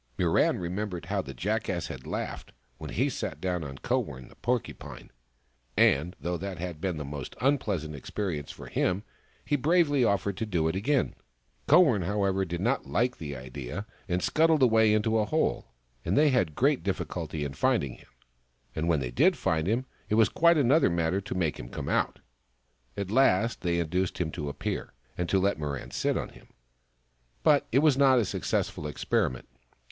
Mirran remembered how the Jackass had laughed when he had sat down on Kowern, the Porcupine, and though that had been a most unpleasant experience for him, he bravely offered to do it again. Kowern, however, did not like the idea, and scuttled away into a hole, and they had great difficulty in finding him — and when they did find him, it was quite another matter to make him come out. At last they induced him to appear, and to let Mirran sit on him. But it was not a successful experiment.